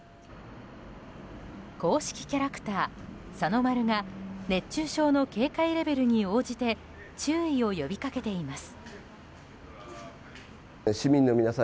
公式キャラクターさのまるが熱中症の警戒レベルに応じて注意を呼び掛けています。